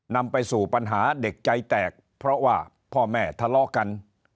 นำไปสู่ปัญหาเด็กใจแตกเพราะว่าพ่อแม่ทะเลาะกัน